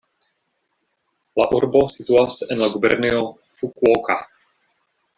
La urbo situas en la gubernio Fukuoka.